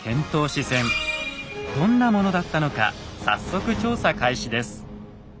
どんなものだったのか早速調査開始です。